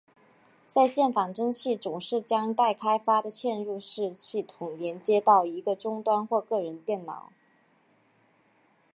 在线仿真器总是将待开发的嵌入式系统连接到一个终端或个人电脑。